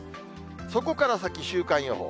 そこから先、週間予報。